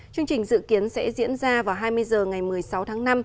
chương trình dự kiến sẽ diễn ra vào hai mươi h ngày một mươi sáu tháng năm